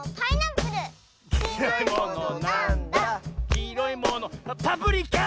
「きいろいものパプリカ！」